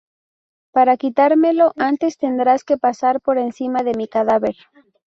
Para quitármelo, antes tendrás que pasar por encima de mi cadáver